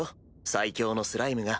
最強のスライムが。